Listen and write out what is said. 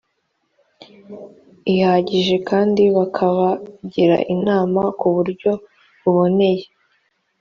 ihagije kandi bakabagira inama ku buryo buboneye